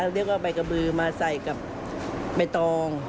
เรียกว่าใบกระบือมาใส่กับใบตอง